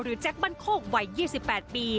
หรือแจ๊คบั้นโคกวัย๒๘ปี